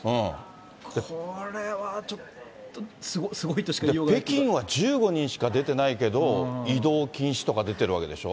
これはちょっと、北京は１５人しか出てないけど、移動禁止とか出ているわけでしょ。